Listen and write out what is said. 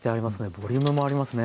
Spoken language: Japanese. ボリュームもありますね。